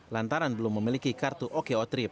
lantaran belum memiliki kartu oko trip